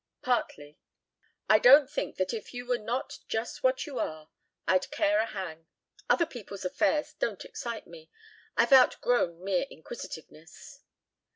"Partly. I don't think that if you were not just what you are I'd care a hang. Other people's affairs don't excite me. I've outgrown mere inquisitiveness."